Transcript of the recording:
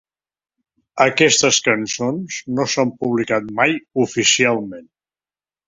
Aquestes cançons no s'han publicat mai oficialment.